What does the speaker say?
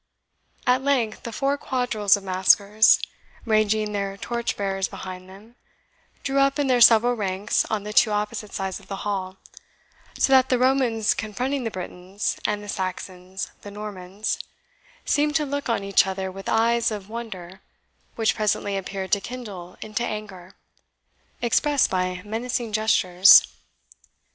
At length the four quadrilles of maskers, ranging their torch bearers behind them, drew up in their several ranks on the two opposite sides of the hall, so that the Romans confronting the Britons, and the Saxons the Normans, seemed to look on each other with eyes of wonder, which presently appeared to kindle into anger, expressed by menacing gestures.